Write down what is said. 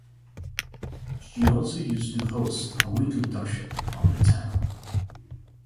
She also used to host a weekly talk show on the channel.